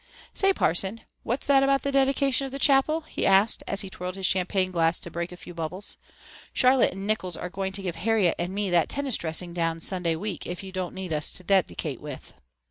"Say, Parson, what's that about the dedication of the chapel?" he asked, as he twirled his champagne glass to break a few bubbles. "Charlotte and Nickols are going to give Harriet and me that tennis dressing down Sunday week if you don't need us to dedicate with."